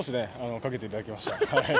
かけていただきました。